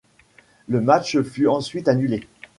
Le match fut ensuite annulé.